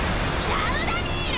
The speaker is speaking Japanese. ラウダ・ニール！